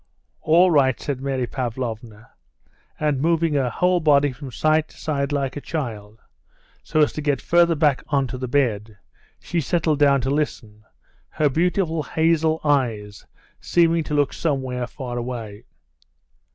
"All right," said Mary Pavlovna, and moving her whole body from side to side, like a child, so as to get farther back on to the bed, she settled down to listen, her beautiful hazel eyes seeming to look somewhere far away.